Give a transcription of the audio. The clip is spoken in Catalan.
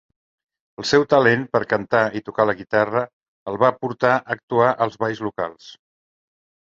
El seu talent per cantar i tocar la guitarra el va portar a actuar als balls locals.